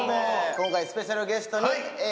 今回スペシャルベストに、Ａぇ！